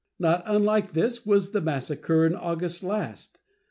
Not unlike this was the massacre in August last.